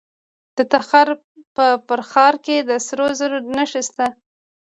د تخار په فرخار کې د سرو زرو نښې شته.